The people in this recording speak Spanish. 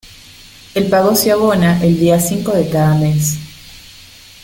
El pago se abona el día cinco de cada mes.